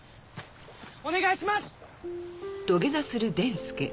お願いします！